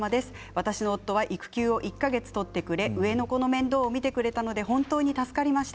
私の夫は育休１か月取ってくれ上の子の面倒見てくれたので本当に助かりました。